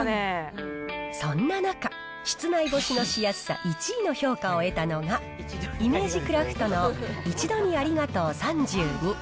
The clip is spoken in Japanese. そんな中、室内干しのしやすさ１位の評価を得たのが、イメージクラフトのいちどにありがとう３２。